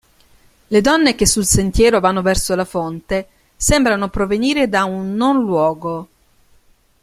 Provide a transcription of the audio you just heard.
Le donne che sul sentiero vanno verso la fonte sembrano provenire da un "non-luogo".